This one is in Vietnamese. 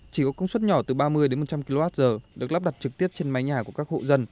chỉ có công suất nhỏ từ ba mươi đến một trăm linh kwh được lắp đặt trực tiếp trên mái nhà của các hộ dân